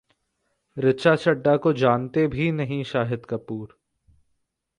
रिचा चड्ढा को जानते भी नहीं शाहिद कपूर!